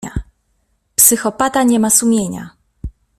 Psychopata nie ma sumienia.